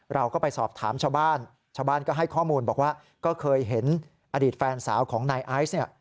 เราก็ไปสอบถามชาวบ้านชาวบ้านก็ให้ข้อมูลบอกว่าก็เคยเห็นอดีตแฟนสาวของนายไอซ์เนี่ย